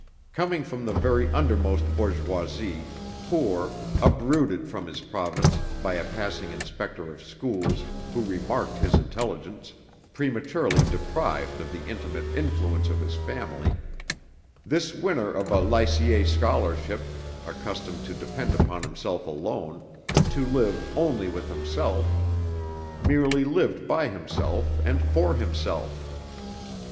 Coming from the very undermost bourgeoisie, poor, uprooted from his province by a passing inspector of schools who remarked his intelligence, prematurely deprived of the intimate influence of his family, this winner of a Lycée scholarship, accustomed to depend upon himself alone, to live only with himself, merely lived by himself and for himself.